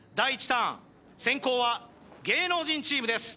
ターン先攻は芸能人チームです